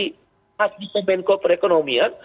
khas biso bnk perekonomian